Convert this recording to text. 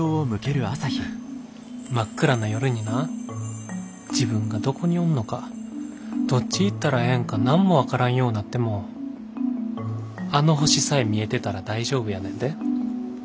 真っ暗な夜にな自分がどこにおんのかどっち行ったらええんか何も分からんようなってもあの星さえ見えてたら大丈夫やねんで。